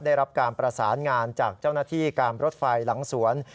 ได้รับการประสานงานจากเจ้าหน้าที่การรถไฟหลังสวน